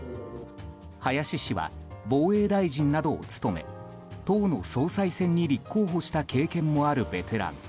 林氏は防衛大臣などを務め党の総裁選に立候補した経験もあるベテラン。